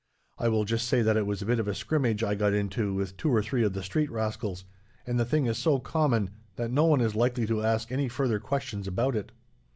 I will just say that it was a bit of a scrimmage I got into, with two or three of the street rascals; and the thing is so common that no one is likely to ask any further questions about it."